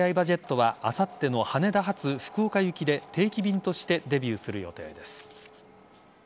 じぇっとはあさっての羽田発・福岡行きで定期便としてデビューする予定です。